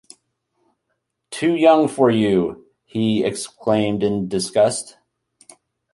“Too young for you!” he exclaimed in disgust.